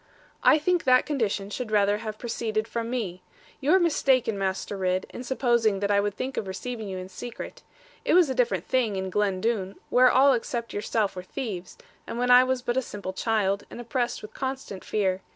'I think that condition should rather have proceeded from me. You are mistaken, Master Ridd, in supposing that I would think of receiving you in secret. It was a different thing in Glen Doone, where all except yourself were thieves, and when I was but a simple child, and oppressed with constant fear.